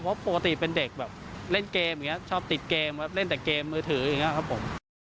เพราะปกติเป็นเด็กแบบเล่นเกมอย่างนี้ชอบติดเกมครับเล่นแต่เกมมือถืออย่างนี้ครับผม